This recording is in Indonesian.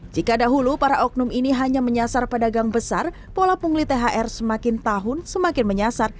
jika dahulu para oknum ini hanya menyasar pedagang besar pola pungli thr semakin tahun semakin menyasar